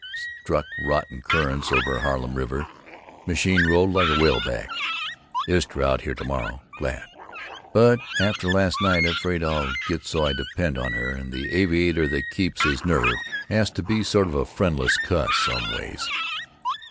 Struck rotten currents over Harlem River, machine rolled like a whale back. Istra out here to morrow. Glad. But after last night afraid I'll get so I depend on her, and the aviator that keeps his nerve has to be sort of a friendless cuss some ways.